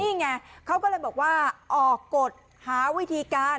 นี่ไงเขาก็เลยบอกว่าออกกฎหาวิธีการ